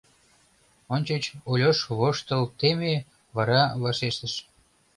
Ончыч Ольош воштыл теме, вара вашештыш: